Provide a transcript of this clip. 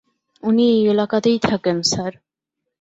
উনি এই এলাকাতেই থাকেন, স্যার।